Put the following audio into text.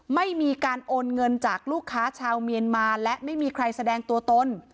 ไม่มีการโอนเงินจากลูกค้าชาวเมียนมาและไม่มีใครแสดงตัวตน